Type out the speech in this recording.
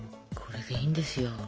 これでいいんですよ。